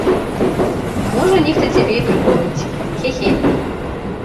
Можа, нехта цябе і прыпомніць, хе-хе.